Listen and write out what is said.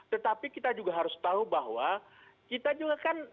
tetapi kita juga harus tahu bahwa kita juga kan